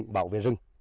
bảo vệ rừng